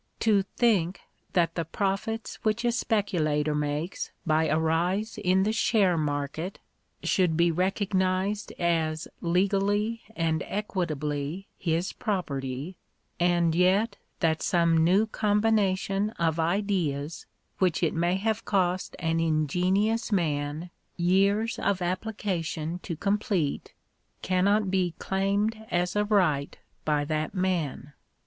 To think that the profits whioh a speculator makes by a rise in the share market, should be recognised as legally and equitably his property, and yet that some new combination of ideas, which it may have cost an ingenious man years of appli cation to complete, cannot be " claimed as a right" by that man!